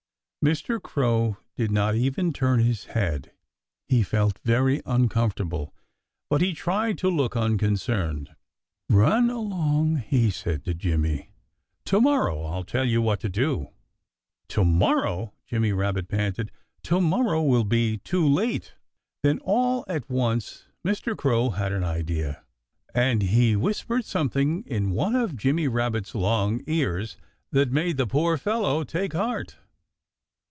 Mr. Crow did not even turn his head. He felt very uncomfortable. But he tried to look unconcerned. "Run along!" he said to Jimmy. "To morrow I'll tell you what to do." "To morrow " Jimmy Rabbit panted "to morrow will be too late." Then all at once Mr. Crow had an idea. And he whispered something in one of Jimmy Rabbit's long ears that made the poor fellow take heart.